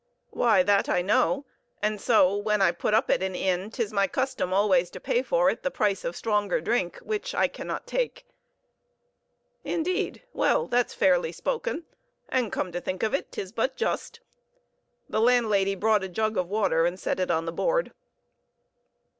"Why, that I know; and so, when I put up at an inn, 'tis my custom always to pay for it the price of stronger drink, which I cannot take." "Indeed well, that's fairly spoken; and, come to think of it, 'tis but just." The landlady brought a jug of water and set it on the board.